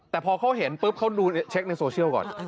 แต่พอเขาเห็นปุ๊บเขาดูเช็คในโซเชียลก่อน